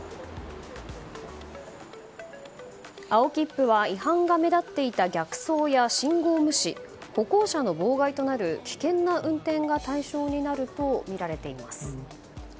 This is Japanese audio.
青切符は違反が目立っていた逆走や信号無視歩行者の妨害となる危険な運転が対象になるとみられています。